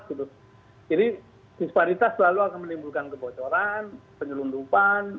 jadi disparitas selalu akan menimbulkan kebocoran penyelundupan